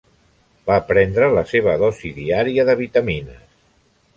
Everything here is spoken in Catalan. Va prendre la seva dosi diària de vitamines.